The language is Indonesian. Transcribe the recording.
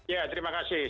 ya terima kasih